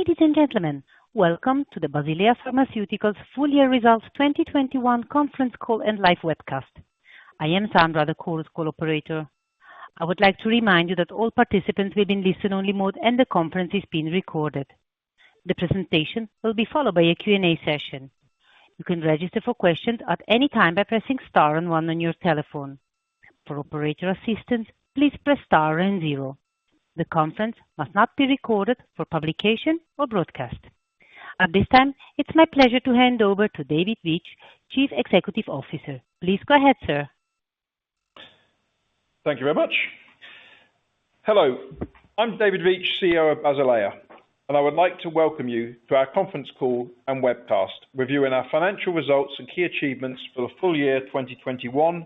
Ladies and gentlemen, welcome to the Basilea Pharmaceutica Full Year Results 2021 conference call and live webcast. I am Sandra, the chorus call operator. I would like to remind you that all participants will be in listen only mode and the conference is being recorded. The presentation will be followed by a Q&A session. You can register for questions at any time by pressing star and one on your telephone. For operator assistance, please press star and zero. The conference must not be recorded for publication or broadcast. At this time, it's my pleasure to hand over to David Veitch, Chief Executive Officer. Please go ahead, sir. Thank you very much. Hello, I'm David Veitch, CEO of Basilea, and I would like to welcome you to our conference call and webcast reviewing our financial results and key achievements for the full year 2021,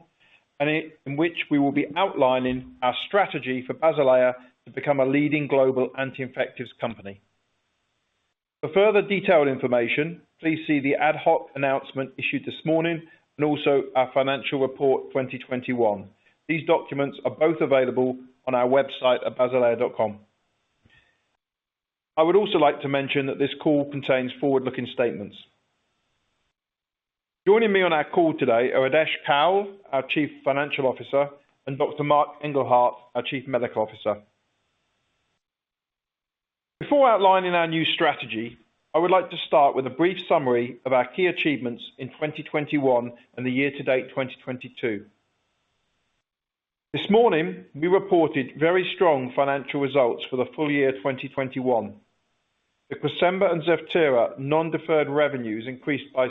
and in which we will be outlining our strategy for Basilea to become a leading global anti-infectives company. For further detailed information, please see the ad hoc announcement issued this morning and also our financial report 2021. These documents are both available on our website at basilea.com. I would also like to mention that this call contains forward-looking statements. Joining me on our call today are Adesh Kaul, our Chief Financial Officer, and Dr. Marc Engelhardt, our Chief Medical Officer. Before outlining our new strategy, I would like to start with a brief summary of our key achievements in 2021 and the year to date 2022. This morning, we reported very strong financial results for the full year 2021. The Cresemba and Zevtera non-deferred revenues increased by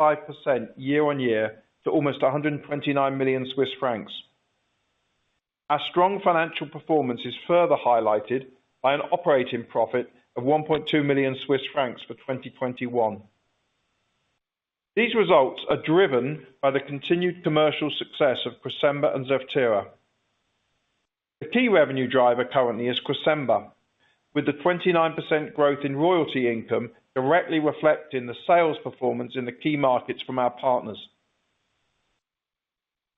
65% year-on-year to almost 129 million Swiss francs. Our strong financial performance is further highlighted by an operating profit of 1.2 million Swiss francs for 2021. These results are driven by the continued commercial success of Cresemba and Zevtera. The key revenue driver currently is Cresemba, with the 29% growth in royalty income directly reflecting the sales performance in the key markets from our partners.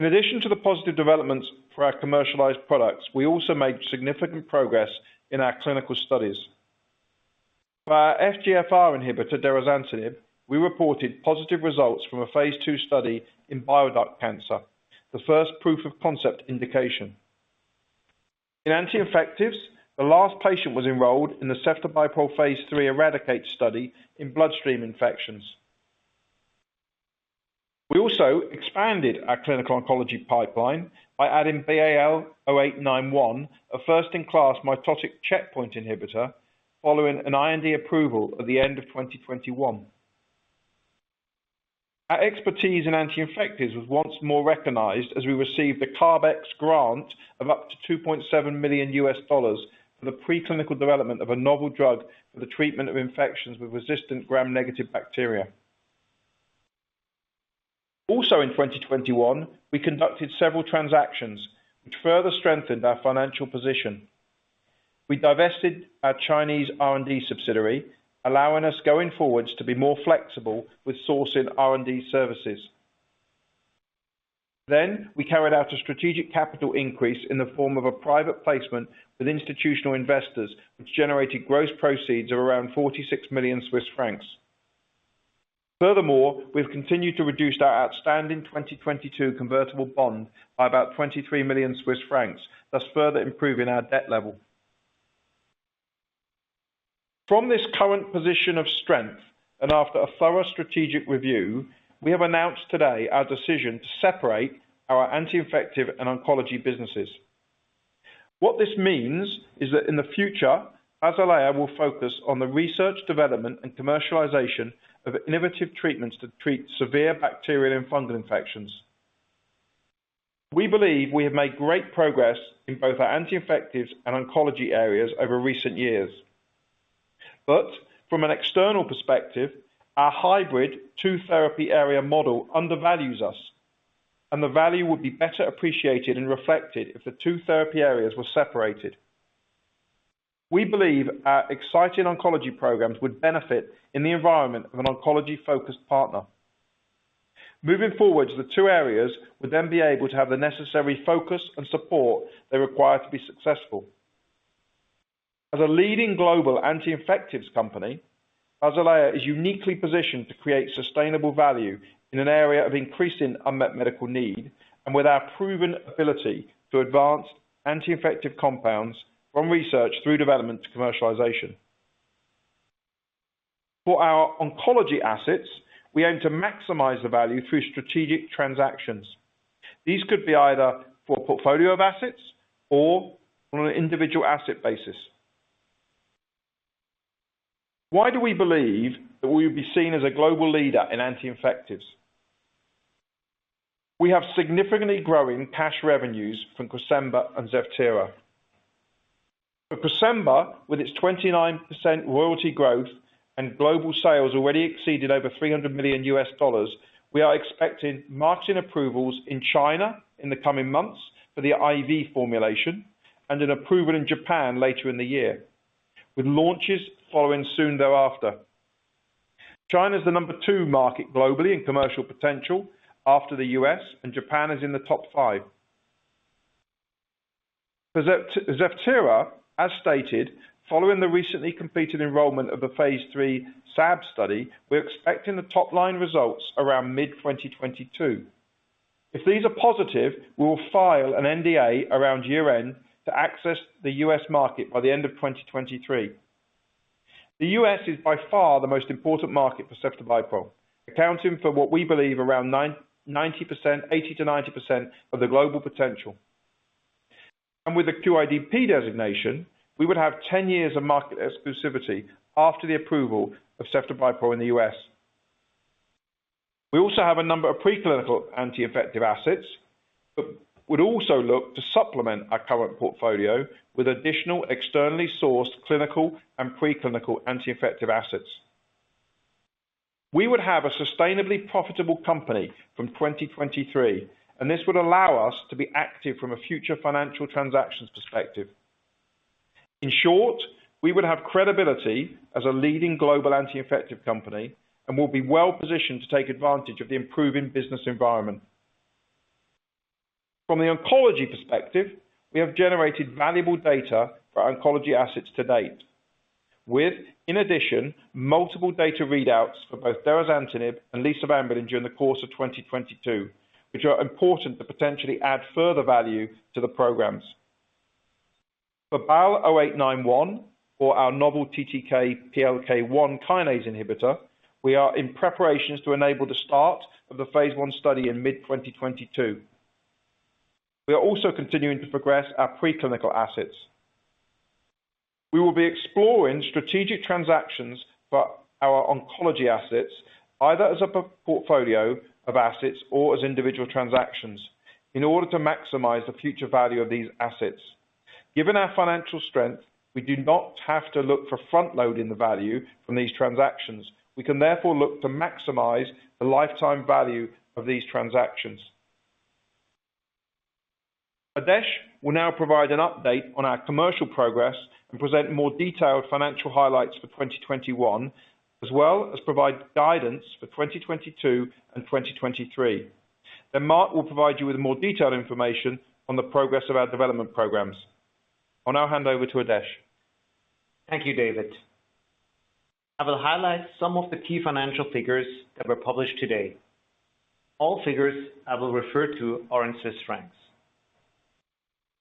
In addition to the positive developments for our commercialized products, we also made significant progress in our clinical studies. For our FGFR inhibitor derazantinib, we reported positive results from a phase II study in bile duct cancer, the first proof of concept indication. In anti-infectives, the last patient was enrolled in the ceftobiprole phase III ERADICATE study in bloodstream infections. We also expanded our clinical oncology pipeline by adding BAL0891, a first-in-class mitotic checkpoint inhibitor following an IND approval at the end of 2021. Our expertise in anti-infectives was once more recognized as we received the CARB-X grant of up to $2.7 million for the preclinical development of a novel drug for the treatment of infections with resistant gram-negative bacteria. Also in 2021, we conducted several transactions which further strengthened our financial position. We divested our Chinese R&D subsidiary, allowing us going forwards to be more flexible with sourcing R&D services. We carried out a strategic capital increase in the form of a private placement with institutional investors, which generated gross proceeds of around 46 million Swiss francs. Furthermore, we've continued to reduce our outstanding 2022 convertible bond by about 23 million Swiss francs, thus further improving our debt level. From this current position of strength and after a thorough strategic review, we have announced today our decision to separate our anti-infective and oncology businesses. What this means is that in the future, Basilea will focus on the research, development and commercialization of innovative treatments to treat severe bacterial and fungal infections. We believe we have made great progress in both our anti-infectives and oncology areas over recent years. From an external perspective, our hybrid two therapy area model undervalues us, and the value would be better appreciated and reflected if the two therapy areas were separated. We believe our exciting oncology programs would benefit in the environment of an oncology-focused partner. Moving forward, the two areas would then be able to have the necessary focus and support they require to be successful. As a leading global anti-infectives company, Basilea is uniquely positioned to create sustainable value in an area of increasing unmet medical need and with our proven ability to advance anti-infective compounds from research through development to commercialization. For our oncology assets, we aim to maximize the value through strategic transactions. These could be either for a portfolio of assets or on an individual asset basis. Why do we believe that we will be seen as a global leader in anti-infectives? We have significantly growing cash revenues from Cresemba and Zevtera. For Cresemba, with its 29% royalty growth and global sales already exceeded over $300 million, we are expecting marketing approvals in China in the coming months for the IV formulation and an approval in Japan later in the year, with launches following soon thereafter. China is the number two market globally in commercial potential after the U.S., and Japan is in the top five. For Zevtera, as stated, following the recently completed enrollment of the phase III SAB study, we're expecting the top-line results around mid-2022. If these are positive, we will file an NDA around year-end to access the U.S. market by the end of 2023. The U.S. is by far the most important market for ceftobiprole, accounting for what we believe around 80%-90% of the global potential. With the QIDP designation, we would have 10 years of market exclusivity after the approval of ceftobiprole in the U.S. We also have a number of preclinical anti-infective assets, but would also look to supplement our current portfolio with additional externally sourced clinical and preclinical anti-infective assets. We would have a sustainably profitable company from 2023, and this would allow us to be active from a future financial transactions perspective. In short, we would have credibility as a leading global anti-infective company and will be well-positioned to take advantage of the improving business environment. From the oncology perspective, we have generated valuable data for our oncology assets to date. With, in addition, multiple data readouts for both derazantinib and lisavanbulin during the course of 2022, which are important to potentially add further value to the programs. For BAL0891 or our novel TTK/PLK1 kinase inhibitor, we are in preparations to enable the start of the phase I study in mid-2022. We are also continuing to progress our preclinical assets. We will be exploring strategic transactions for our oncology assets, either as a portfolio of assets or as individual transactions in order to maximize the future value of these assets. Given our financial strength, we do not have to look for front-loading the value from these transactions. We can therefore look to maximize the lifetime value of these transactions. Adesh will now provide an update on our commercial progress and present more detailed financial highlights for 2021, as well as provide guidance for 2022 and 2023. Then Marc will provide you with more detailed information on the progress of our development programs. I'll now hand over to Adesh. Thank you, David. I will highlight some of the key financial figures that were published today. All figures I will refer to are in Swiss francs.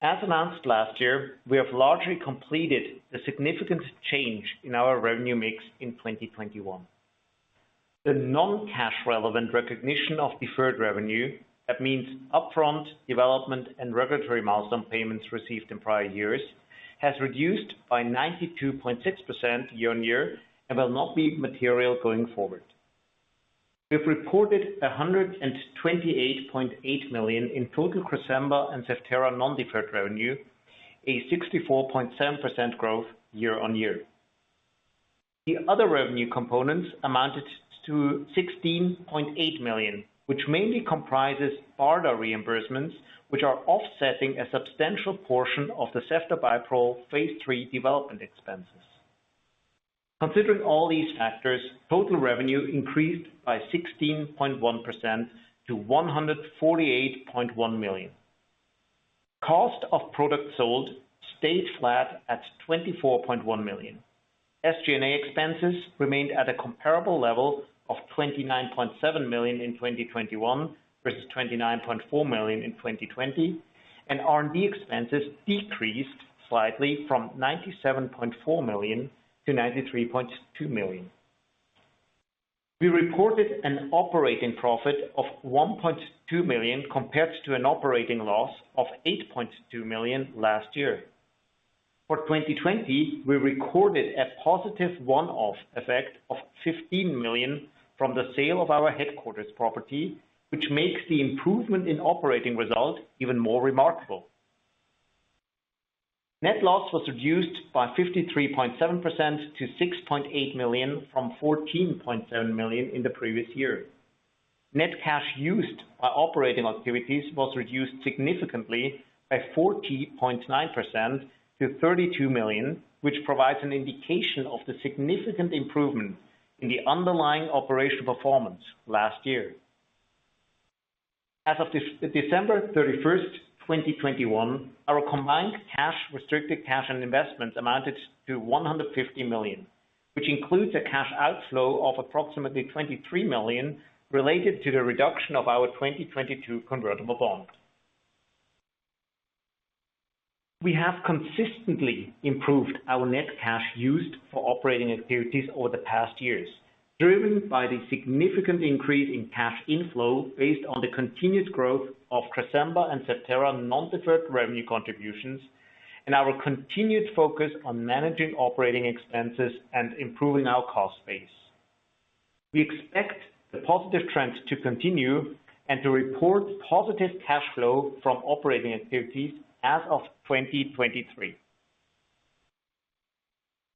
As announced last year, we have largely completed the significant change in our revenue mix in 2021. The non-cash relevant recognition of deferred revenue, that means upfront development and regulatory milestone payments received in prior years, has reduced by 92.6% year-on-year and will not be material going forward. We have reported 128.8 million in total Cresemba and Zevtera non-deferred revenue, a 64.7% growth year-on-year. The other revenue components amounted to 16.8 million, which mainly comprises BARDA reimbursements, which are offsetting a substantial portion of the ceftobiprole phase III development expenses. Considering all these factors, total revenue increased by 16.1% to 148.1 million. Cost of product sold stayed flat at 24.1 million. SG&A expenses remained at a comparable level of 29.7 million in 2021 versus 29.4 million in 2020, and R&D expenses decreased slightly from 97.4 million-93.2 million. We reported an operating profit of 1.2 million compared to an operating loss of 8.2 million last year. For 2020, we recorded a positive one-off effect of 15 million from the sale of our headquarters property, which makes the improvement in operating results even more remarkable. Net loss was reduced by 53.7% to 6.8 million from 14.7 million in the previous year. Net cash used by operating activities was reduced significantly by 40.9% to 32 million, which provides an indication of the significant improvement in the underlying operational performance last year. As of December 31st, 2021, our combined cash, restricted cash and investments amounted to 150 million, which includes a cash outflow of approximately 23 million related to the reduction of our 2022 convertible bond. We have consistently improved our net cash used for operating activities over the past years, driven by the significant increase in cash inflow based on the continued growth of Cresemba and Zevtera non-deferred revenue contributions and our continued focus on managing operating expenses and improving our cost base. We expect the positive trends to continue and to report positive cash flow from operating activities as of 2023.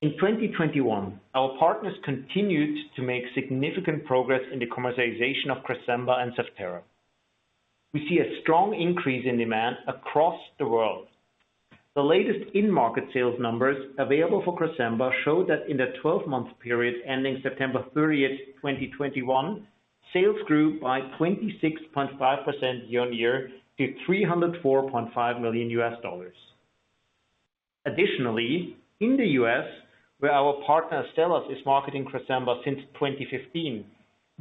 In 2021, our partners continued to make significant progress in the commercialization of Cresemba and Zevtera. We see a strong increase in demand across the world. The latest in-market sales numbers available for Cresemba show that in the 12-month period ending September 30th, 2021, sales grew by 26.5% year-on-year to $304.5 million. Additionally, in the U.S., where our partner Astellas is marketing Cresemba since 2015,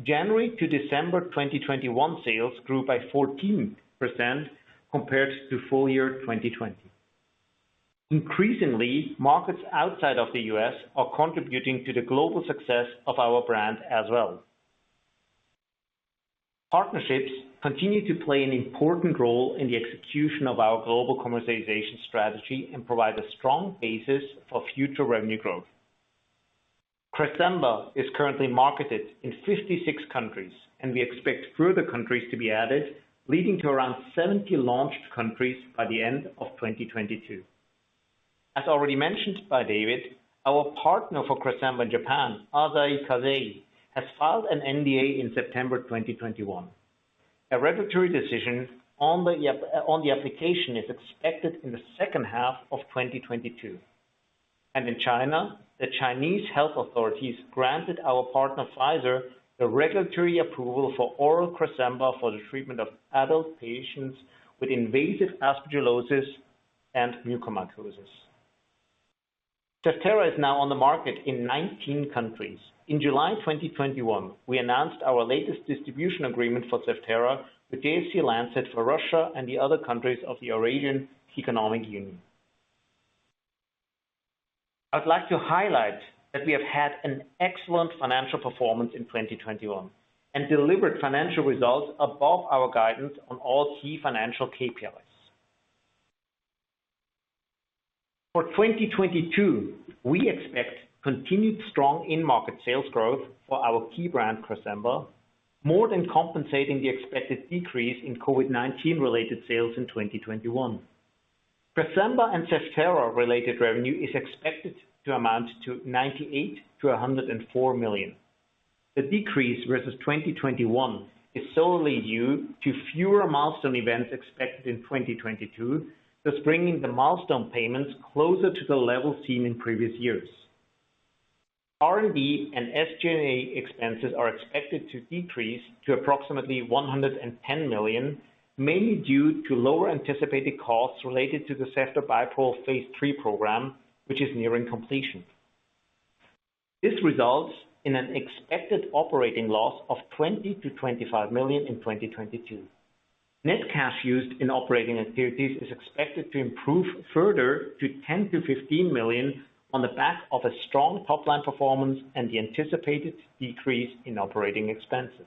January to December 2021 sales grew by 14% compared to full year 2020. Increasingly, markets outside of the U.S. are contributing to the global success of our brand as well. Partnerships continue to play an important role in the execution of our global commercialization strategy and provide a strong basis for future revenue growth. Cresemba is currently marketed in 56 countries, and we expect further countries to be added, leading to around 70 launched countries by the end of 2022. As already mentioned by David, our partner for Cresemba in Japan, Asahi Kasei, has filed an NDA in September 2021. A regulatory decision on the application is expected in the second half of 2022. In China, the Chinese health authorities granted our partner, Pfizer, the regulatory approval for oral Cresemba for the treatment of adult patients with invasive aspergillosis and mucormycosis. Zevtera is now on the market in 19 countries. In July 2021, we announced our latest distribution agreement for Zevtera with JSC Lancet for Russia and the other countries of the Eurasian Economic Union. I'd like to highlight that we have had an excellent financial performance in 2021, and delivered financial results above our guidance on all key financial KPIs. For 2022, we expect continued strong in-market sales growth for our key brand, Cresemba, more than compensating the expected decrease in COVID-19 related sales in 2021. Cresemba and Zevtera related revenue is expected to amount to 98 million-104 million. The decrease versus 2021 is solely due to fewer milestone events expected in 2022, thus bringing the milestone payments closer to the levels seen in previous years. R&D and SG&A expenses are expected to decrease to approximately 110 million, mainly due to lower anticipated costs related to the ceftobiprole phase III program, which is nearing completion. This results in an expected operating loss of 20 million-25 million in 2022. Net cash used in operating activities is expected to improve further to 10 million-15 million on the back of a strong top-line performance and the anticipated decrease in operating expenses.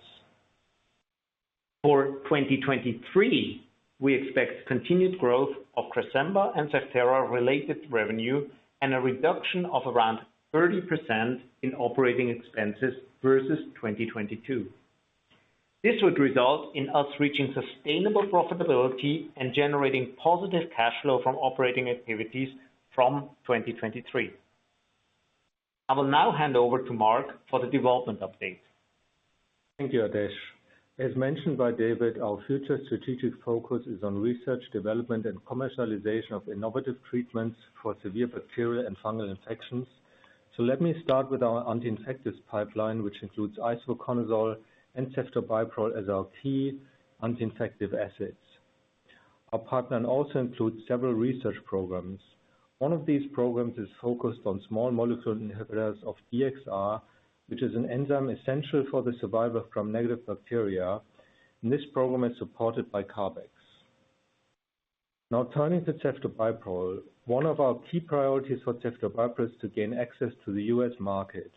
For 2023, we expect continued growth of Cresemba and Zevtera related revenue and a reduction of around 30% in operating expenses versus 2022. This would result in us reaching sustainable profitability and generating positive cash flow from operating activities from 2023. I will now hand over to Marc for the development update. Thank you, Adesh. As mentioned by David, our future strategic focus is on research development and commercialization of innovative treatments for severe bacterial and fungal infections. Let me start with our anti-infectious pipeline, which includes isavuconazole and ceftobiprole as our key anti-infective assets. Our pipeline also includes several research programs. One of these programs is focused on small molecule inhibitors of DXR, which is an enzyme essential for the survival of gram-negative bacteria, and this program is supported by CARB-X. Now, turning to ceftobiprole, one of our key priorities for ceftobiprole is to gain access to the U.S. market.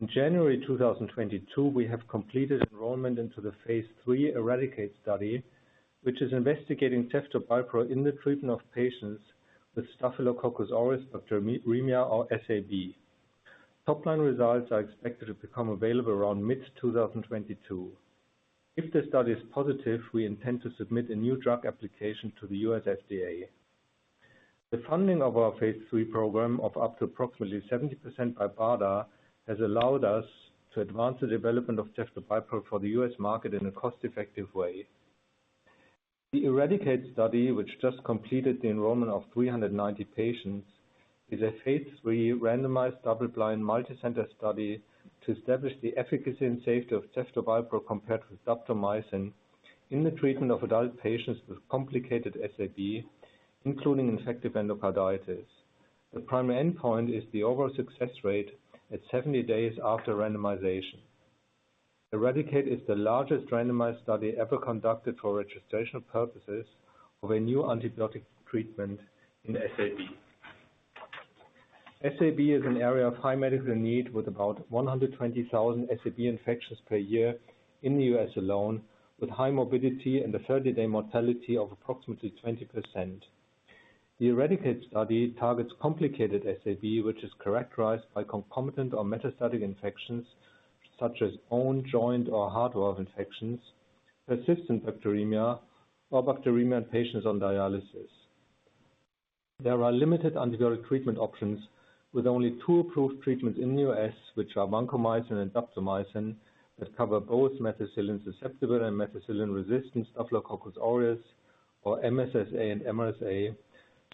In January 2022, we have completed enrollment into the phase III ERADICATE study, which is investigating ceftobiprole in the treatment of patients with Staphylococcus aureus bacteremia or SAB. Top line results are expected to become available around mid-2022. If the study is positive, we intend to submit a new drug application to the U.S. FDA. The funding of our phase III program of up to approximately 70% by BARDA has allowed us to advance the development of ceftobiprole for the U.S. market in a cost-effective way. The ERADICATE study, which just completed the enrollment of 390 patients, is a phase III randomized double-blind multicenter study to establish the efficacy and safety of ceftobiprole compared with daptomycin in the treatment of adult patients with complicated SAB, including infective endocarditis. The primary endpoint is the overall success rate at 70 days after randomization. ERADICATE is the largest randomized study ever conducted for registration purposes of a new antibiotic treatment in SAB. SAB is an area of high medical need, with about 120,000 SAB infections per year in the U.S. alone, with high morbidity and a 30-day mortality of approximately 20%. The ERADICATE study targets complicated SAB, which is characterized by concomitant or metastatic infections such as bone, joint or heart valve infections, persistent bacteremia or bacteremia in patients on dialysis. There are limited antibacterial treatment options. With only two approved treatments in the U.S., which are vancomycin and daptomycin, that cover both methicillin-susceptible and methicillin-resistant Staphylococcus aureus or MSSA and MRSA.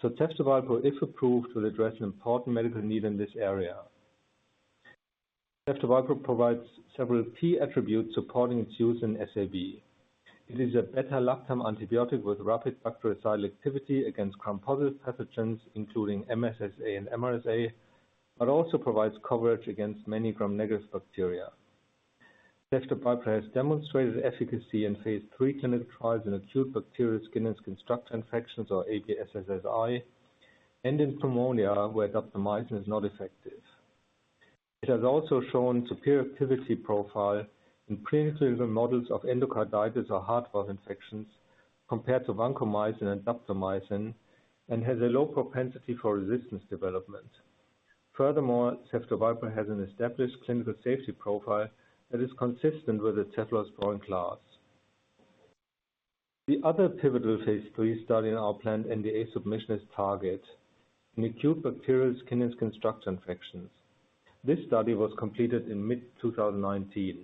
Ceftobiprole, if approved, will address an important medical need in this area. Ceftobiprole provides several key attributes supporting its use in SAB. It is a beta-lactam antibiotic with rapid bactericidal activity against gram-positive pathogens, including MSSA and MRSA, but also provides coverage against many gram-negative bacteria. Ceftobiprole has demonstrated efficacy in phase III clinical trials in acute bacterial skin and skin structure infections or ABSSSI, and in pneumonia where daptomycin is not effective. It has also shown superior activity profile in preclinical models of endocarditis or heart valve infections compared to vancomycin and daptomycin, and has a low propensity for resistance development. Furthermore, ceftobiprole has an established clinical safety profile that is consistent with the cephalosporin class. The other pivotal phase III study in our planned NDA submission is TARGET, in acute bacterial skin and skin structure infections. This study was completed in mid-2019.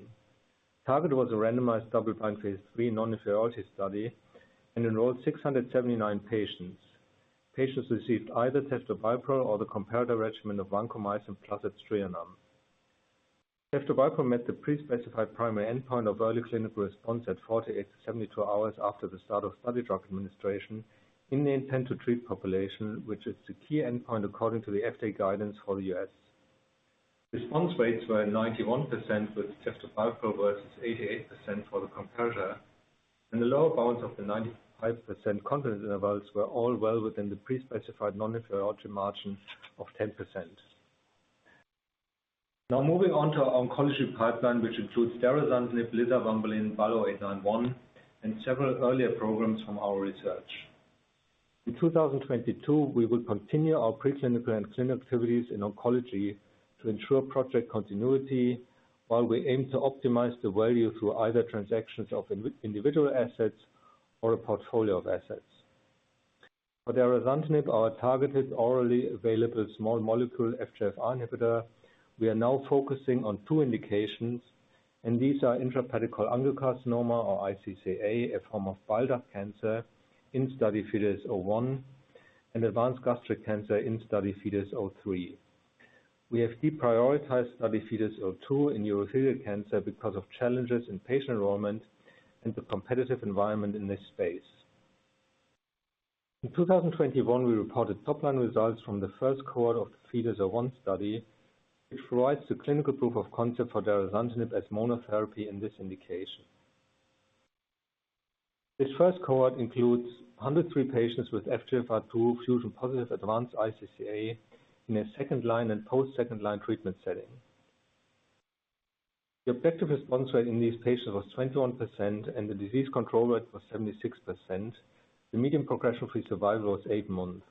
TARGET was a randomized double-blind phase III non-inferiority study and enrolled 679 patients. Patients received either ceftobiprole or the comparator regimen of vancomycin plus aztreonam. Ceftobiprole met the pre-specified primary endpoint of early clinical response at 48-72 hours after the start of study drug administration in the intent-to-treat population, which is the key endpoint according to the FDA guidance for the U.S. Response rates were 91% with ceftobiprole versus 88% for the comparator, and the lower bound of the 95% confidence intervals were all well within the pre-specified non-inferiority margin of 10%. Now moving on to our oncology pipeline, which includes derazantinib, lisavanbulin, BAL0891, and several earlier programs from our research. In 2022, we will continue our preclinical and clinical activities in oncology to ensure project continuity while we aim to optimize the value through either transactions of individual assets or a portfolio of assets. For derazantinib, our targeted orally available small molecule FGFR inhibitor, we are now focusing on two indications, and these are intrahepatic cholangiocarcinoma or iCCA, a form of bile duct cancer in FIDES-01, and advanced gastric cancer in FIDES-03. We have deprioritized FIDES-02 in urothelial cancer because of challenges in patient enrollment and the competitive environment in this space. In 2021, we reported top-line results from the first cohort of the FIDES-01 study, which provides the clinical proof of concept for derazantinib as monotherapy in this indication. This first cohort includes 103 patients with FGFR2 fusion-positive advanced iCCA in a second-line and post-second-line treatment setting. The objective response rate in these patients was 21% and the disease control rate was 76%. The median progression-free survival was eight months.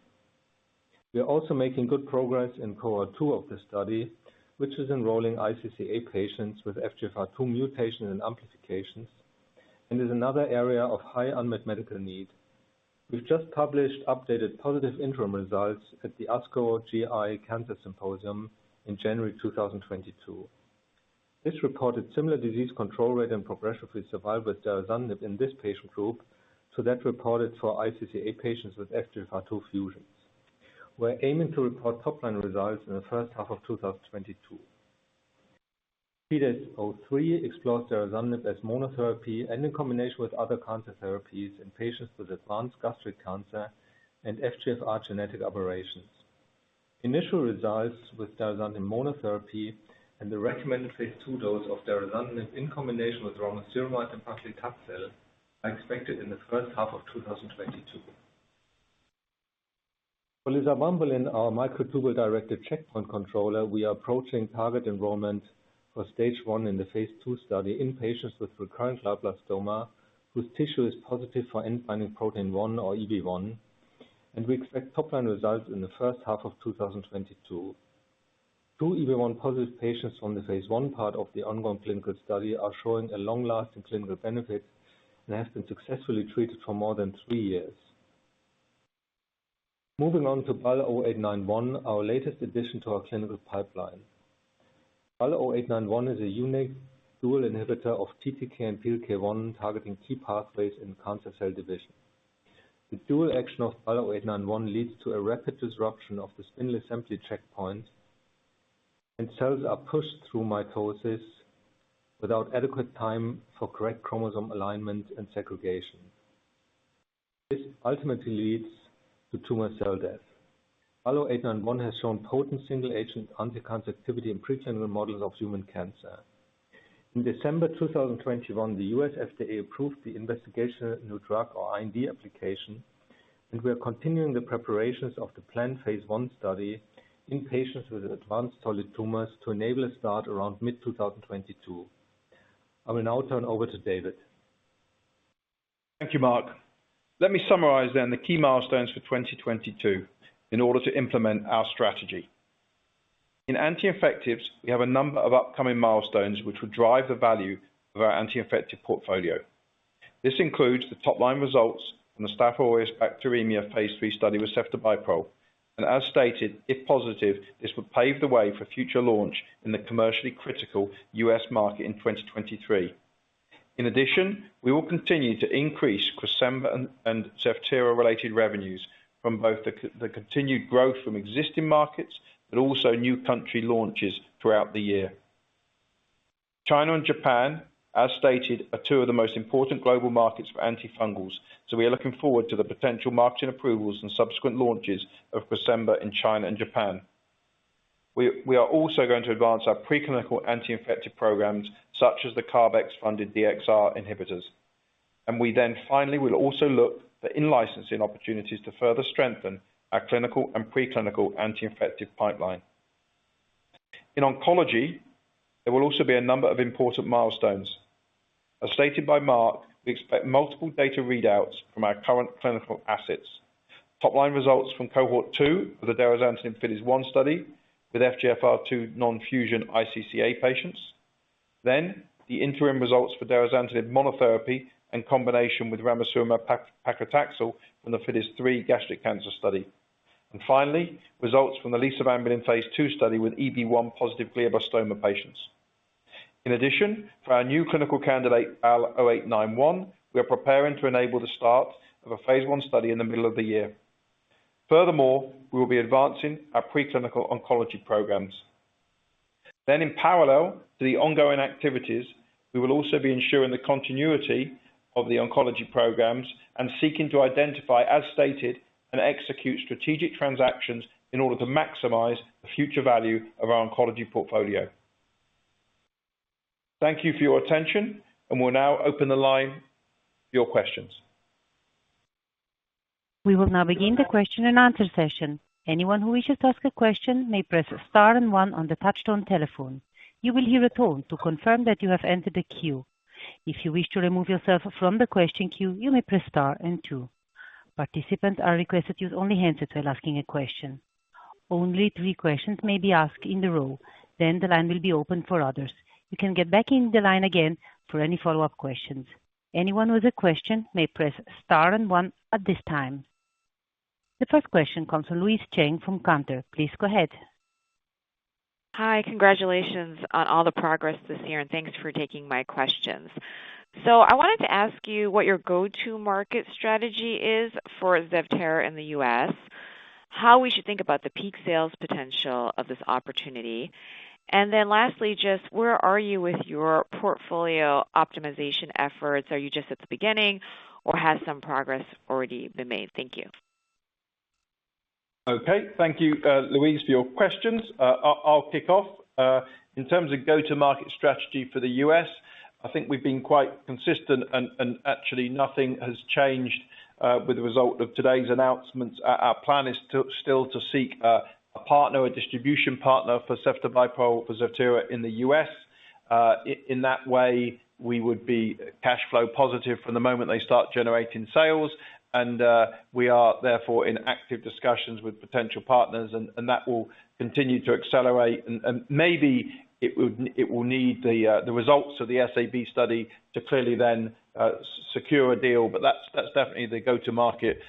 We are also making good progress in cohort two of this study, which is enrolling iCCA patients with FGFR2 mutation and amplifications, and is another area of high unmet medical need. We've just published updated positive interim results at the ASCO Gastrointestinal Cancers Symposium in January 2022. This reported similar disease control rate and progression-free survival with derazantinib in this patient group, so that reported for iCCA patients with FGFR2 fusions. We're aiming to report top-line results in the first half of 2022. FIDES-03 explores derazantinib as monotherapy and in combination with other cancer therapies in patients with advanced gastric cancer and FGFR genetic aberrations. Initial results with derazantinib monotherapy and the recommended phase II dose of derazantinib in combination with ramucirumab and paclitaxel are expected in the first half of 2022. For lisavanbulin, our microtubule-directed checkpoint controller, we are approaching target enrollment for stage one and the phase II study in patients with recurrent glioblastoma, whose tissue is positive for end-binding protein one or EB1, and we expect top-line results in the first half of 2022. Two EB1-positive patients from the phase I part of the ongoing clinical study are showing a long-lasting clinical benefit and have been successfully treated for more than three years. Moving on to BAL0891, our latest addition to our clinical pipeline. BAL0891 is a unique dual inhibitor of TTK and PLK1, targeting key pathways in cancer cell division. The dual action of BAL0891 leads to a rapid disruption of the spindle assembly checkpoint, and cells are pushed through mitosis without adequate time for correct chromosome alignment and segregation. This ultimately leads to tumor cell death. BAL0891 has shown potent single agent anticancer activity in preclinical models of human cancer. In December 2021, the U.S. FDA approved the Investigational New Drug or IND application, and we are continuing the preparations of the planned phase I study in patients with advanced solid tumors to enable a start around mid-2022. I will now turn over to David. Thank you, Marc. Let me summarize the key milestones for 2022 in order to implement our strategy. In anti-infectives, we have a number of upcoming milestones which will drive the value of our anti-infective portfolio. This includes the top line results from the Staph aureus bacteremia phase III study with ceftobiprole. As stated, if positive, this would pave the way for future launch in the commercially critical U.S. market in 2023. In addition, we will continue to increase Cresemba and Zevtera related revenues from both the continued growth from existing markets but also new country launches throughout the year. China and Japan, as stated, are two of the most important global markets for antifungals, so we are looking forward to the potential marketing approvals and subsequent launches of Cresemba in China and Japan. We are also going to advance our preclinical anti-infective programs such as the CARB-X funded DXR inhibitors. We then finally will also look for in-licensing opportunities to further strengthen our clinical and preclinical anti-infective pipeline. In oncology, there will also be a number of important milestones. As stated by Marc, we expect multiple data readouts from our current clinical assets. Top-line results from cohort two of the derazantinib in FIDES-01 study with FGFR2 non-fusion iCCA patients. The interim results for derazantinib monotherapy and combination with ramucirumab paclitaxel from the FIDES-03 gastric cancer study. Finally, results from the lisavanbulin phase II study with EB1-positive glioblastoma patients. In addition, for our new clinical candidate BAL0891, we are preparing to enable the start of a phase I study in the middle of the year. Furthermore, we will be advancing our preclinical oncology programs. In parallel to the ongoing activities, we will also be ensuring the continuity of the oncology programs and seeking to identify, as stated, and execute strategic transactions in order to maximize the future value of our oncology portfolio. Thank you for your attention, and we'll now open the line for your questions. We will now begin the question and answer session. Anyone who wishes to ask a question may press star and one on the touchtone telephone. You will hear a tone to confirm that you have entered the queue. If you wish to remove yourself from the question queue, you may press star and two. Participants are requested to use only handsets if they're asking a question. Only three questions may be asked in a row, then the line will be open for others. You can get back in the line again for any follow-up questions. Anyone with a question may press star and one at this time. The first question comes from Louise Chen from Cantor. Please go ahead. Hi. Congratulations on all the progress this year, and thanks for taking my questions. I wanted to ask you what your go-to market strategy is for Zevtera in the U.S., how we should think about the peak sales potential of this opportunity, and then lastly, just where are you with your portfolio optimization efforts? Are you just at the beginning or has some progress already been made? Thank you. Okay. Thank you, Louise, for your questions. I'll kick off. In terms of go-to-market strategy for the U.S., I think we've been quite consistent and actually nothing has changed with the result of today's announcements. Our plan is still to seek a partner, a distribution partner for ceftobiprole or Zevtera in the U.S. In that way, we would be cash flow positive from the moment they start generating sales and we are therefore in active discussions with potential partners and that will continue to accelerate. Maybe it will need the results of the SAB study to clearly then secure a deal, but that's definitely the go-to-market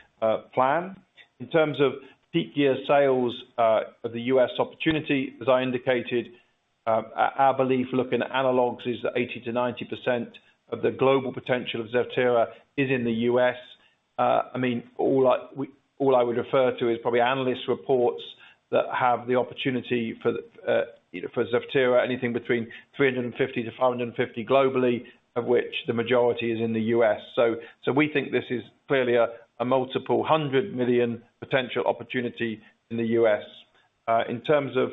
plan. In terms of peak year sales of the U.S. opportunity, as I indicated, our belief looking at analogs is that 80%-90% of the global potential of Zevtera is in the U.S. I mean, all I would refer to is probably analyst reports that have the opportunity for Zevtera, you know, anything between $350 million-$550 million globally, of which the majority is in the U.S. We think this is clearly a multiple hundred million potential opportunity in the U.S. In terms of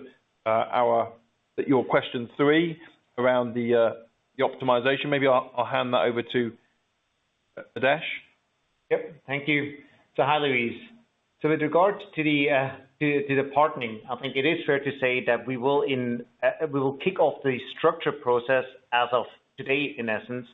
your question three around the optimization, maybe I'll hand that over to Adesh. Yep. Thank you. Hi, Louise. With regards to the partnering, I think it is fair to say that we will kick off the partnering process as of today, in essence.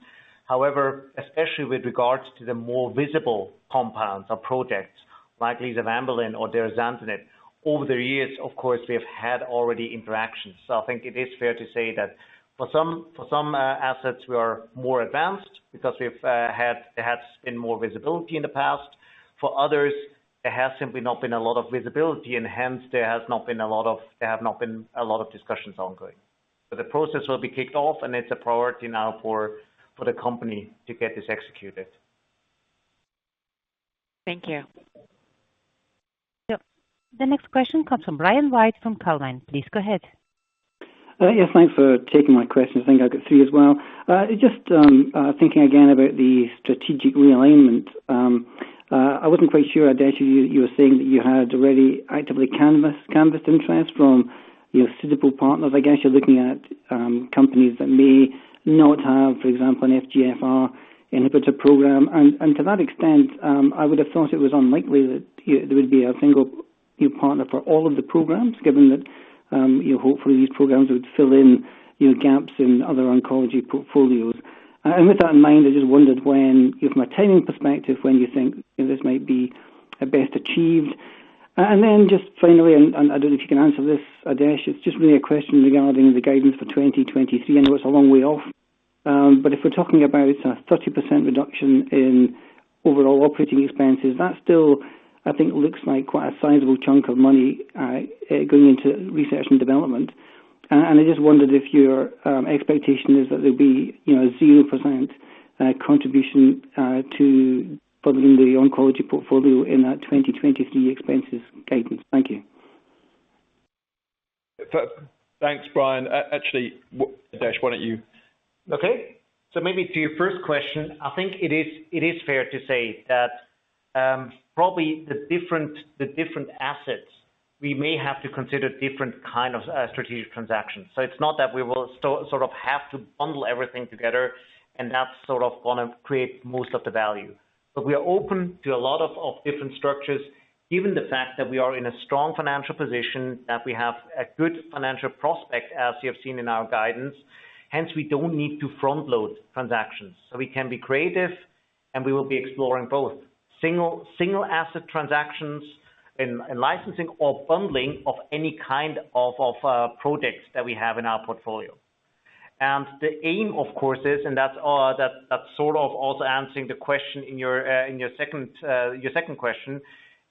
However, especially with regards to the more visible compounds or projects like lisavanbulin or derazantinib, over the years of course, we have had already interactions. I think it is fair to say that for some assets we are more advanced because we've had. There has been more visibility in the past. For others, there has simply not been a lot of visibility and hence there have not been a lot of discussions ongoing. The process will be kicked off, and it's a priority now for the company to get this executed. Thank you. Yep. The next question comes from Brian White from Calvine. Please go ahead. Yes, thanks for taking my questions. I think I'll go through you as well. Just thinking again about the strategic realignment. I wasn't quite sure, Adesh, you were saying that you had already actively canvassed interest from your suitable partners. I guess you're looking at companies that may not have, for example, an FGFR inhibitor program. To that extent, I would have thought it was unlikely that there would be a single new partner for all of the programs, given that, you know, hopefully these programs would fill in, you know, gaps in other oncology portfolios. With that in mind, I just wondered when, you know, from a timing perspective, when you think this might be best achieved. Just finally, I don't know if you can answer this, Adesh. It's just really a question regarding the guidance for 2023. I know it's a long way off, but if we're talking about a 30% reduction in overall operating expenses, that still, I think, looks like quite a sizable chunk of money going into research and development. I just wondered if your expectation is that there'll be, you know, a 0% contribution to building the oncology portfolio in that 2023 expenses guidance. Thank you. Thanks, Brian. Actually, Adesh, why don't you? Okay. Maybe to your first question, I think it is fair to say that probably the different assets, we may have to consider different kind of strategic transactions. It's not that we will sort of have to bundle everything together, and that's sort of gonna create most of the value. We are open to a lot of different structures, given the fact that we are in a strong financial position, that we have a good financial prospect, as you have seen in our guidance. Hence, we don't need to front-load transactions. We can be creative, and we will be exploring both single asset transactions and licensing or bundling of any kind of products that we have in our portfolio. The aim, of course, is, and that's all, that's sort of also answering the question in your second question,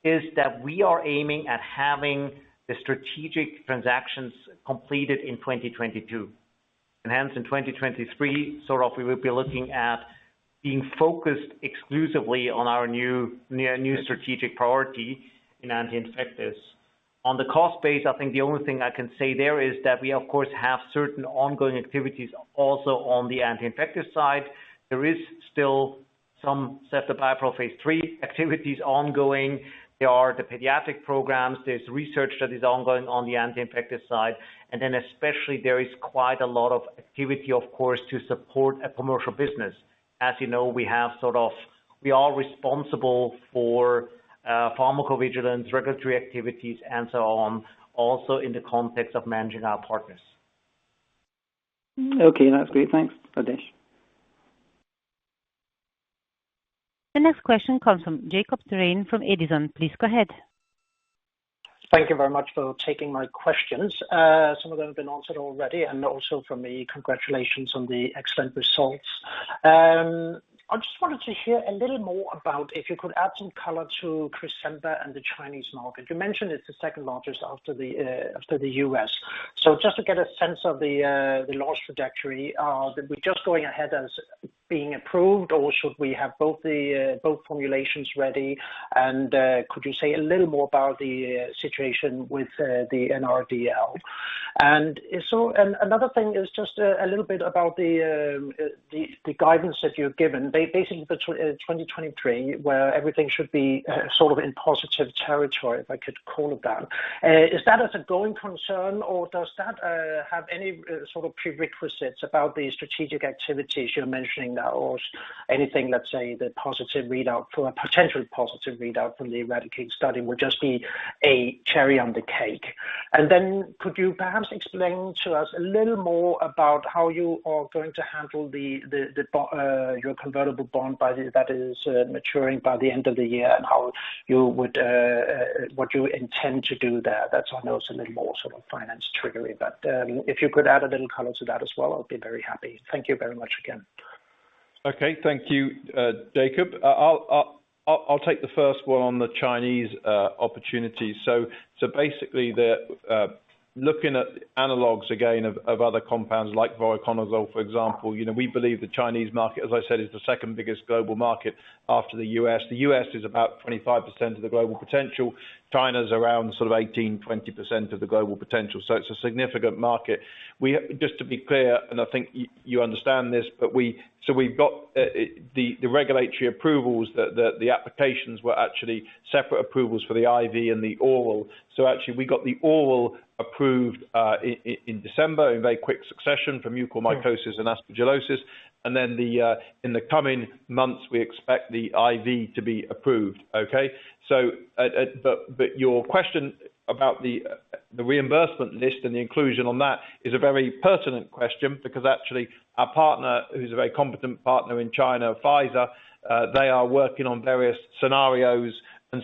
is that we are aiming at having the strategic transactions completed in 2022. Hence in 2023, sort of we will be looking at being focused exclusively on our new strategic priority in anti-infectives. On the cost base, I think the only thing I can say there is that we of course have certain ongoing activities also on the anti-infective side. There is still some set of ceftobiprole phase III activities ongoing. There are the pediatric programs. There's research that is ongoing on the anti-infective side. Then especially there is quite a lot of activity, of course, to support a commercial business. As you know, we are responsible for pharmacovigilance, regulatory activities, and so on, also in the context of managing our partners. Okay, that's great. Thanks, Adesh. The next question comes from Jacob Thrane from Edison. Please go ahead. Thank you very much for taking my questions. Some of them have been answered already, and also from me, congratulations on the excellent results. I just wanted to hear a little more about if you could add some color to Cresemba and the Chinese market. You mentioned it's the second largest after the U.S. So just to get a sense of the launch trajectory that we're just going ahead as being approved, or should we have both formulations ready? Could you say a little more about the situation with the NRDL? And another thing is just a little bit about the guidance that you're given. Basically the 2023, where everything should be sort of in positive territory, if I could call it that. Is that as a growing concern or does that have any sort of prerequisites about the strategic activities you're mentioning now or anything, let's say a potential positive readout from the ERADICATE study would just be a cherry on the cake? Could you perhaps explain to us a little more about how you are going to handle your convertible bond that is maturing by the end of the year and what you intend to do there? That's, I know, a little more sort of finance triggering. If you could add a little color to that as well, I'd be very happy. Thank you very much again. Okay. Thank you, Jacob. I'll take the first one on the Chinese opportunity. Basically looking at analogs again of other compounds like voriconazole, for example, you know, we believe the Chinese market, as I said, is the second biggest global market after the U.S. The U.S. is about 25% of the global potential. China's around sort of 18%-20% of the global potential. It's a significant market. Just to be clear, and I think you understand this, but so we've got the regulatory approvals that the applications were actually separate approvals for the IV and the oral. Actually we got the oral approved in December in very quick succession for mucormycosis and aspergillosis. In the coming months, we expect the IV to be approved. Okay? Your question about the reimbursement list and the inclusion on that is a very pertinent question because actually our partner, who's a very competent partner in China, Pfizer, they are working on various scenarios.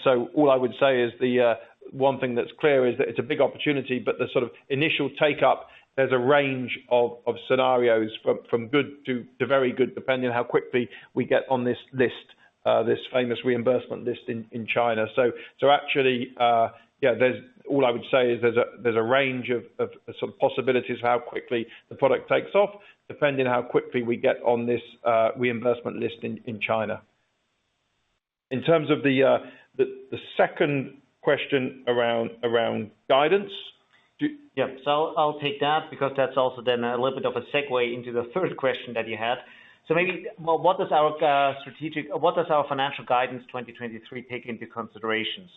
All I would say is one thing that's clear is that it's a big opportunity, but the sort of initial take up, there's a range of scenarios from good to very good, depending on how quickly we get on this list, this famous reimbursement list in China. Actually, yeah, all I would say is there's a range of some possibilities how quickly the product takes off, depending how quickly we get on this reimbursement list in China. In terms of the second question around guidance. Yeah. I'll take that because that's also then a little bit of a segue into the third question that you had. Maybe, well, what does our financial guidance 2023 take into consideration?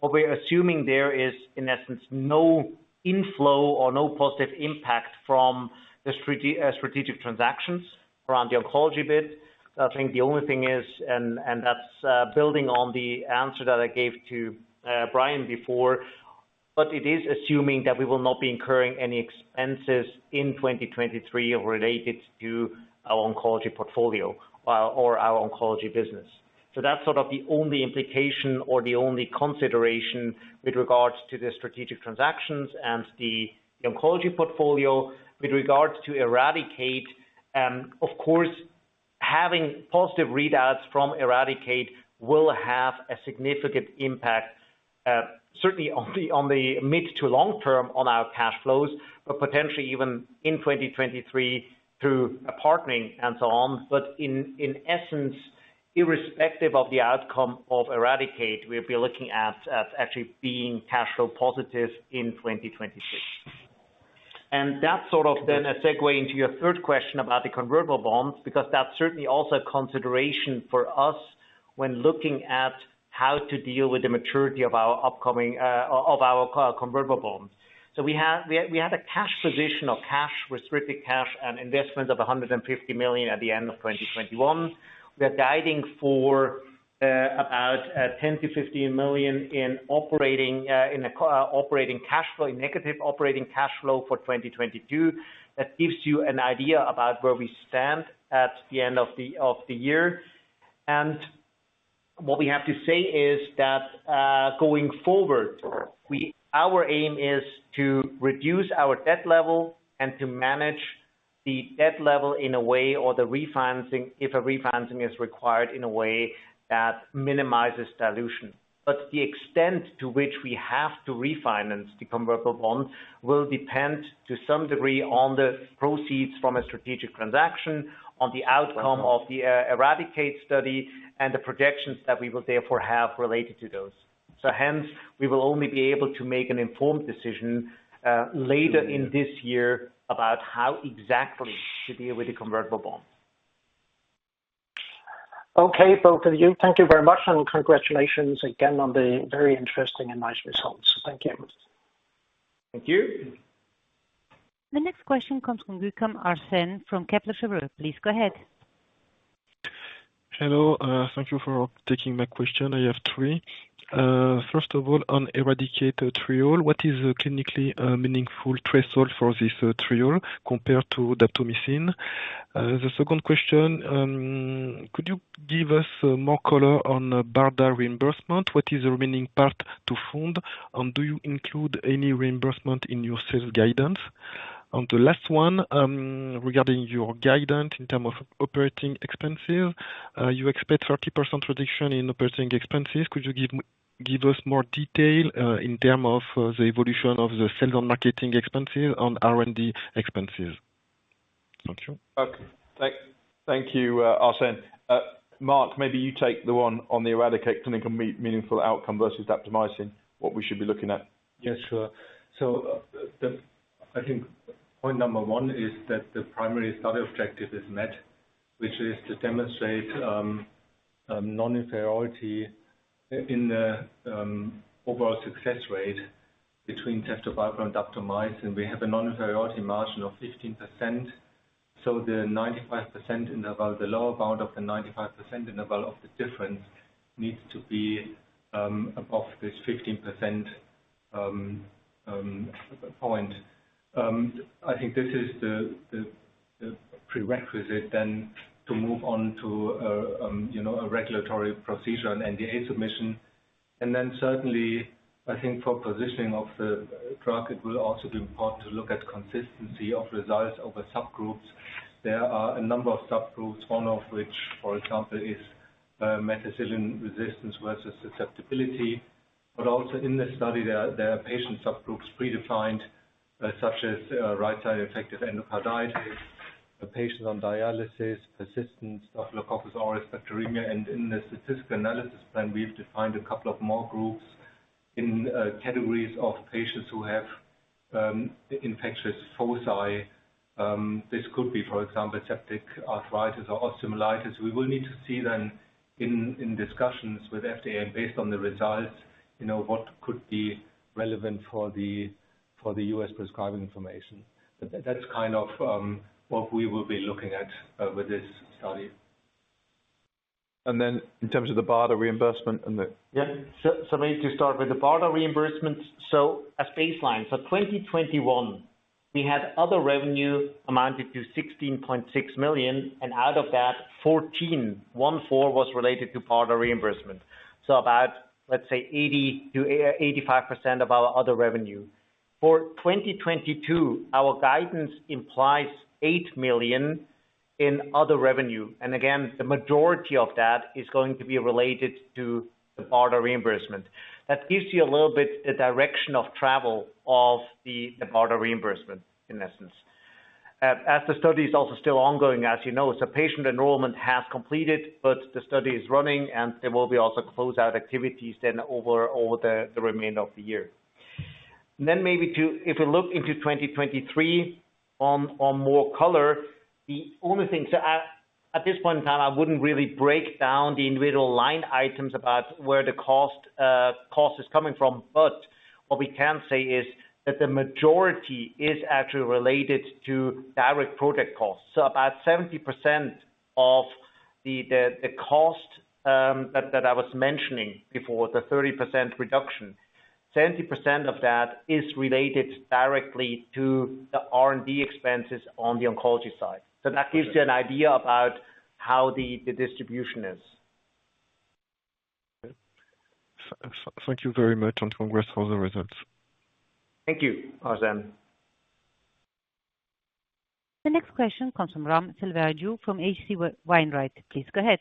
What we're assuming there is, in essence, no inflow or no positive impact from the strategic transactions around the oncology bit. I think the only thing is and that's building on the answer that I gave to Brian before. It is assuming that we will not be incurring any expenses in 2023 related to our oncology portfolio or our oncology business. That's sort of the only implication or the only consideration with regards to the strategic transactions and the oncology portfolio. With regards to ERADICATE, of course, having positive readouts from ERADICATE will have a significant impact, certainly on the mid to long term on our cash flows, but potentially even in 2023 through a partnering and so on. In essence, irrespective of the outcome of ERADICATE, we'll be looking at actually being cash flow positive in 2026. That's sort of then a segue into your third question about the convertible bonds, because that's certainly also a consideration for us when looking at how to deal with the maturity of our upcoming convertible bonds. We had a cash position of cash, restricted cash and investment of 150 million at the end of 2021. We're guiding for about 10 million-15 million in operating cash flow, negative operating cash flow for 2022. That gives you an idea about where we stand at the end of the year. What we have to say is that, going forward, our aim is to reduce our debt level and to manage the debt level in a way or the refinancing, if a refinancing is required in a way that minimizes dilution. The extent to which we have to refinance the convertible bonds will depend, to some degree, on the proceeds from a strategic transaction, on the outcome of the ERADICATE study and the projections that we will therefore have related to those. Hence, we will only be able to make an informed decision later in this year about how exactly to deal with the convertible bond. Okay, both of you. Thank you very much, and congratulations again on the very interesting and nice results. Thank you. Thank you. The next question comes from Guekam, Arsene from Kepler Cheuvreux. Please go ahead. Hello. Thank you for taking my question. I have three. First of all, on the ERADICATE trial, what is clinically meaningful threshold for this trial compared to daptomycin? The second question, could you give us more color on BARDA reimbursement? What is the remaining part to fund? And do you include any reimbursement in your sales guidance? And the last one, regarding your guidance in terms of operating expenses, you expect 30% reduction in operating expenses. Could you give us more detail in terms of the evolution of the sales and marketing expenses and R&D expenses? Thank you. Okay. Thank you, Arsene. Marc, maybe you take the one on the ERADICATE clinically meaningful outcome versus daptomycin, what we should be looking at. Yeah, sure. I think point number one is that the primary study objective is met, which is to demonstrate non-inferiority in the overall success rate between ceftobiprole and daptomycin. We have a non-inferiority margin of 15%. The 95% interval, the lower bound of the 95% interval of the difference needs to be above this 15% point. I think this is the prerequisite then to move on to a you know, a regulatory procedure and NDA submission. Then certainly, I think for positioning of the drug, it will also be important to look at consistency of results over subgroups. There are a number of subgroups, one of which, for example, is methicillin resistance versus susceptibility. Also in this study, there are patient subgroups predefined, such as right-sided infective endocarditis, patients on dialysis, persistent Staphylococcus aureus bacteremia. In the statistical analysis plan, we've defined a couple of more groups in categories of patients who have infectious foci. This could be, for example, septic arthritis or osteomyelitis. We will need to see then in discussions with FDA and based on the results, you know, what could be relevant for the U.S. prescribing information. That's kind of what we will be looking at with this study. In terms of the BARDA reimbursement and the. Maybe to start with the BARDA reimbursement. As baseline, 2021, we had other revenue amounted to 16.6 million, and out of that 14.1 million was related to BARDA reimbursement. About, let's say 80%-85% of our other revenue. For 2022, our guidance implies 8 million in other revenue. Again, the majority of that is going to be related to the BARDA reimbursement. That gives you a little bit the direction of travel of the BARDA reimbursement, in essence. As the study is also still ongoing, as you know, patient enrollment has completed, but the study is running, and there will be also close out activities then over the remainder of the year. Maybe if we look into 2023 on more color, the only thing to add at this point in time is I wouldn't really break down the individual line items about where the cost is coming from. What we can say is that the majority is actually related to direct product costs. About 70% of the cost that I was mentioning before, the 30% reduction, 70% of that is related directly to the R&D expenses on the oncology side. That gives you an idea about how the distribution is. Okay. Thank you very much, and congrats on the results. Thank you, Arsene. The next question comes from Ram Selvaraju from H.C. Wainwright. Please go ahead.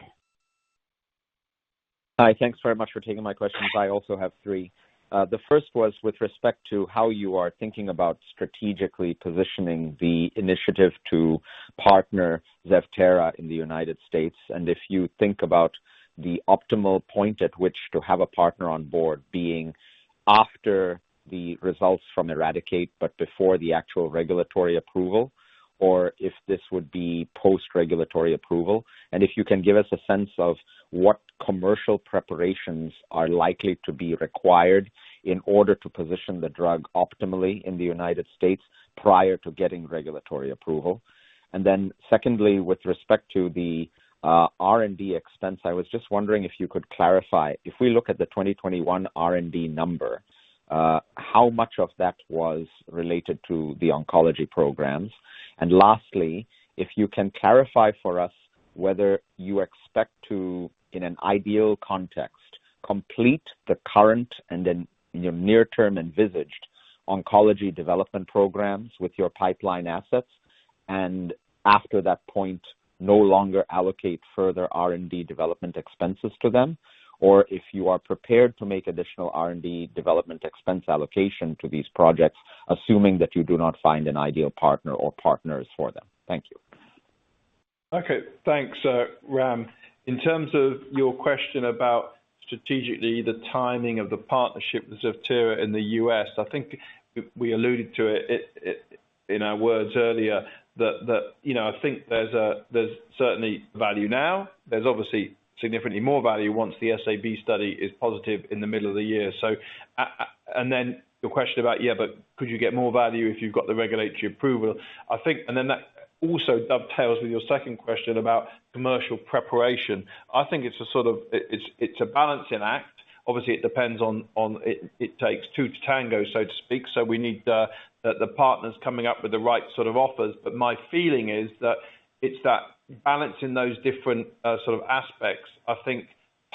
Hi. Thanks very much for taking my questions. I also have three. The first was with respect to how you are thinking about strategically positioning the initiative to partner Zevtera in the United States. If you think about the optimal point at which to have a partner on board being after the results from ERADICATE, but before the actual regulatory approval, or if this would be post-regulatory approval. If you can give us a sense of what commercial preparations are likely to be required in order to position the drug optimally in the United States prior to getting regulatory approval. Secondly, with respect to the R&D expense, I was just wondering if you could clarify. If we look at the 2021 R&D number, how much of that was related to the oncology programs? Lastly, if you can clarify for us whether you expect to, in an ideal context, complete the current and then your near-term envisaged oncology development programs with your pipeline assets, and after that point, no longer allocate further R&D development expenses to them, or if you are prepared to make additional R&D development expense allocation to these projects, assuming that you do not find an ideal partner or partners for them. Thank you. Okay. Thanks, Ram. In terms of your question about strategically the timing of the partnership with Zevtera in the U.S., I think we alluded to it in our words earlier that, you know, I think there's certainly value now. There's obviously significantly more value once the SAB study is positive in the middle of the year. Then your question about, yeah, but could you get more value if you've got the regulatory approval? I think that also dovetails with your second question about commercial preparation. I think it's a sort of it's a balancing act. Obviously, it depends on it takes two to tango, so to speak. We need the partners coming up with the right sort of offers. My feeling is that it's balancing those different, sort of aspects, I think,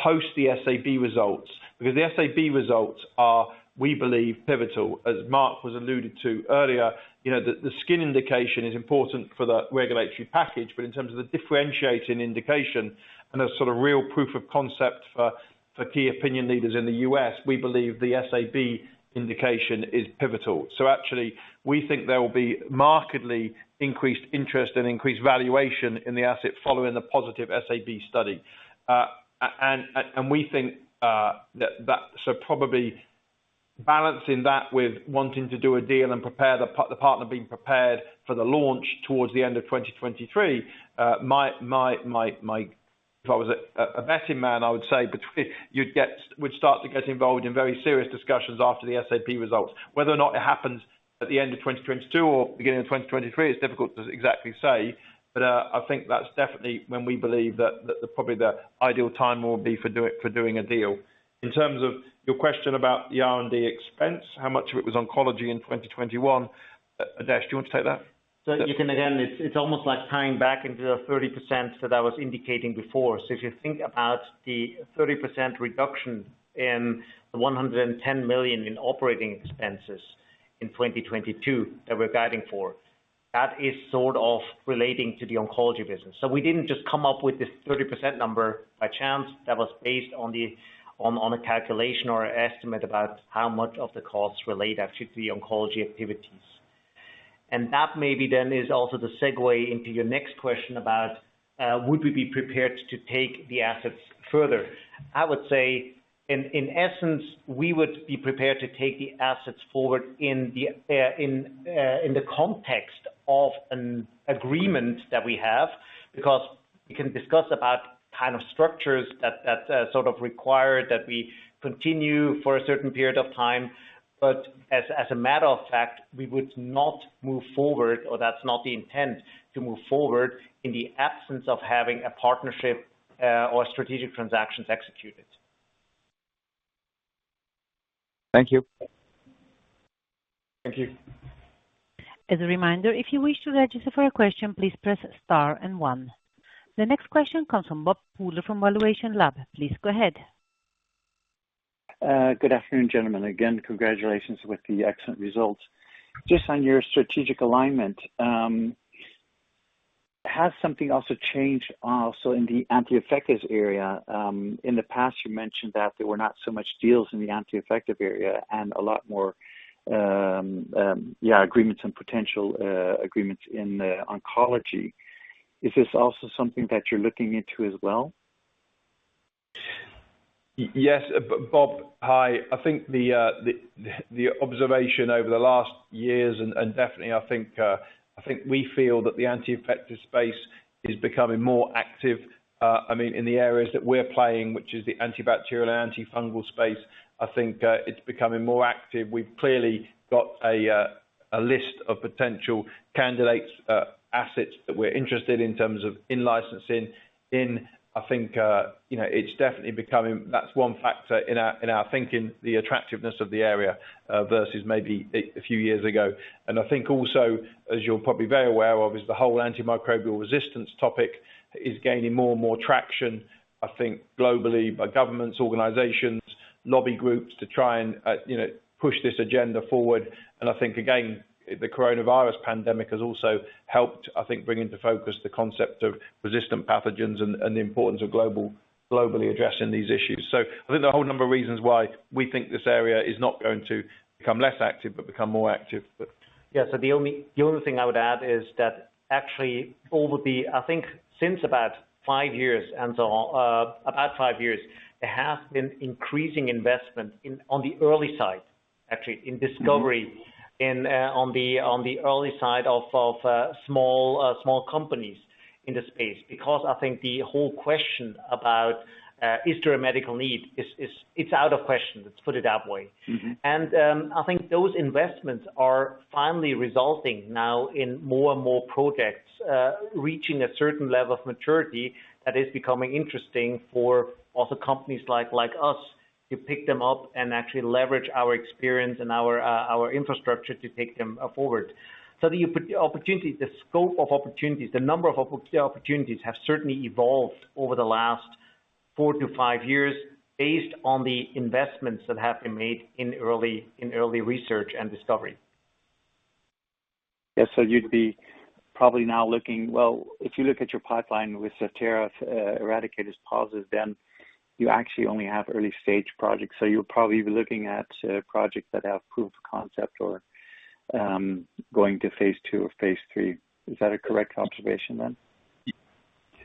post the SAB results. The SAB results are, we believe, pivotal. As Marc alluded to earlier, you know, the skin indication is important for the regulatory package, but in terms of the differentiating indication and a sort of real proof of concept for key opinion leaders in the U.S., we believe the SAB indication is pivotal. Actually, we think there will be markedly increased interest and increased valuation in the asset following the positive SAB study, and we think that probably balancing that with wanting to do a deal and prepare the partner being prepared for the launch towards the end of 2023, might, if I was a betting man, I would say we'd start to get involved in very serious discussions after the SAB results. Whether or not it happens at the end of 2022 or beginning of 2023 is difficult to exactly say, but I think that's definitely when we believe that the probably the ideal time will be for doing a deal. In terms of your question about the R&D expense, how much of it was oncology in 2021, Adesh, do you want to take that? You can, again, it's almost like tying back into the 30% that I was indicating before. If you think about the 30% reduction in the 110 million in operating expenses in 2022 that we're guiding for, that is sort of relating to the oncology business. We didn't just come up with this 30% number by chance. That was based on the on a calculation or an estimate about how much of the costs relate actually to the oncology activities. That maybe then is also the segue into your next question about would we be prepared to take the assets further. I would say in essence, we would be prepared to take the assets forward in the context of an agreement that we have, because we can discuss about kind of structures that sort of require that we continue for a certain period of time. But as a matter of fact, we would not move forward, or that's not the intent to move forward in the absence of having a partnership or strategic transactions executed. Thank you. Thank you. As a reminder, if you wish to register for a question, please press star and one. The next question comes from Bob Pooler from valuationLAB. Please go ahead. Good afternoon, gentlemen. Again, congratulations with the excellent results. Just on your strategic alignment, has something also changed also in the anti-infective area? In the past, you mentioned that there were not so much deals in the anti-infective area and a lot more agreements and potential agreements in the oncology. Is this also something that you're looking into as well? Yes. Bob, hi. I think the observation over the last years and definitely, I think we feel that the anti-infective space is becoming more active, I mean, in the areas that we're playing, which is the antibacterial, antifungal space. I think it's becoming more active. We've clearly got a list of potential candidates, assets that we're interested in terms of in-licensing in. I think you know, it's definitely becoming. That's one factor in our thinking, the attractiveness of the area versus maybe a few years ago. I think also, as you're probably very aware of, is the whole antimicrobial resistance topic is gaining more and more traction, I think, globally by governments, organizations, lobby groups to try and you know, push this agenda forward. I think again, the coronavirus pandemic has also helped, I think, bring into focus the concept of resistant pathogens and the importance of globally addressing these issues. I think there are a whole number of reasons why we think this area is not going to become less active, but become more active. Yeah. The only thing I would add is that actually, I think, since about five years, Anton, about five years, there has been increasing investment on the early side, actually, in discovery- Mm-hmm. On the early side of small companies in this space because I think the whole question about is there a medical need? It's out of question. Let's put it that way. Mm-hmm. I think those investments are finally resulting now in more and more projects reaching a certain level of maturity that is becoming interesting for other companies like us to pick them up and actually leverage our experience and our infrastructure to take them forward. The opportunity, the scope of opportunities, the number of opportunities have certainly evolved over the last four to five years based on the investments that have been made in early research and discovery. Yes. You'd be probably now looking. Well, if you look at your pipeline with Zevtera, ERADICATE phase, then you actually only have early-stage projects. You're probably looking at projects that have proof of concept or going to phase II or phase III. Is that a correct observation then?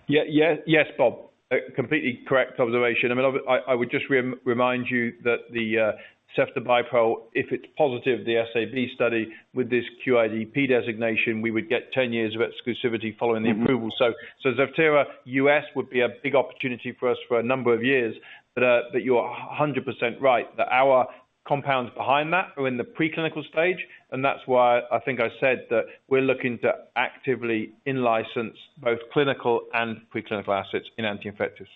Yes, Bob. A completely correct observation. I mean, I would just remind you that the ceftobiprole if it's positive, the SAB study with this QIDP designation, we would get 10 years of exclusivity following the approval. Mm-hmm. Zevtera, U.S. would be a big opportunity for us for a number of years. You are 100% right that our compounds behind that are in the preclinical stage, and that's why I think I said that we're looking to actively in-license both clinical and preclinical assets in anti-infectives.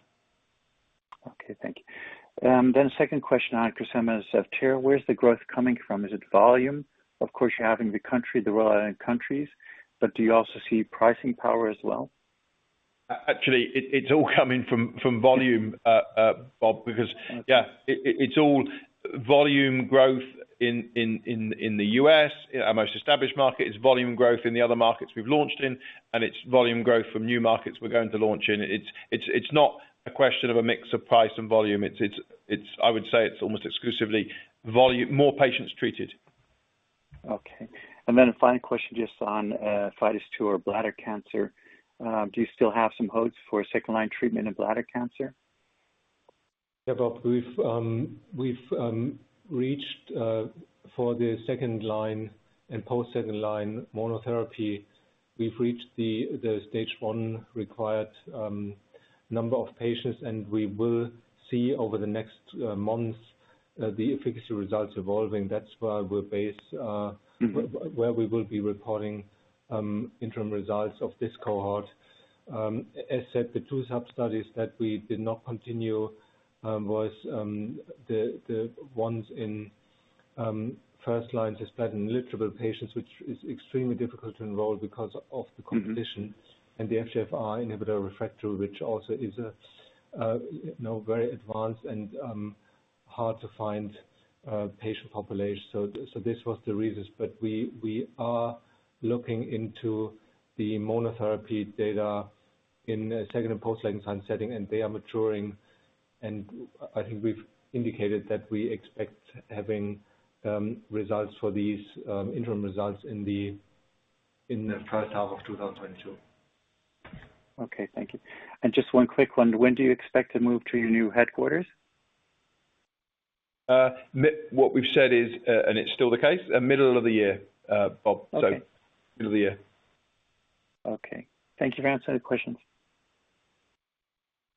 Okay. Thank you. Second question on Cresemba Zevtera. Where's the growth coming from? Is it volume? Of course, you're having the country, the relevant countries, but do you also see pricing power as well? Actually it's all coming from volume, Bob, because- Okay. Yeah, it's all volume growth in the US, our most established market. It's volume growth in the other markets we've launched in, and it's volume growth from new markets we're going to launch in. It's not a question of a mix of price and volume. It's, I would say, almost exclusively volume, more patients treated. Okay. A final question just on FIDES-02 or bladder cancer. Do you still have some hopes for second-line treatment of bladder cancer? Yeah, Bob. We've reached for the second line and post second line monotherapy. We've reached the stage one required number of patients, and we will see over the next months the efficacy results evolving. That's where we're based. Mm-hmm. Where we will be reporting interim results of this cohort. As said, the two sub-studies that we did not continue was the ones in first-line cisplatin-eligible patients, which is extremely difficult to enroll because of the condition. Mm-hmm. The derazantinib, which also is a very advanced and hard to find patient population. This was the reasons. But we are looking into the monotherapy data in second- and third-line setting, and they are maturing. I think we've indicated that we expect having results for these interim results in the first half of 2022. Okay. Thank you. Just one quick one. When do you expect to move to your new headquarters? What we've said is, and it's still the case, middle of the year, Bob. Okay. Middle of the year. Okay. Thank you for answering the questions.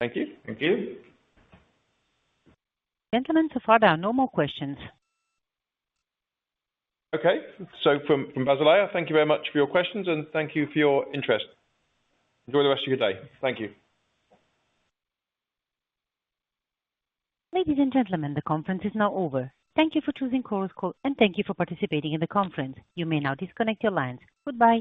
Thank you. Thank you. Gentlemen, so far there are no more questions. Okay. From Basilea, thank you very much for your questions, and thank you for your interest. Enjoy the rest of your day. Thank you. Ladies and gentlemen, the conference is now over. Thank you for choosing Chorus Call, and thank you for participating in the conference. You may now disconnect your lines. Goodbye.